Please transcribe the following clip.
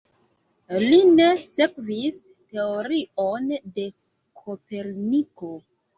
Li ne sekvis teorion de Koperniko.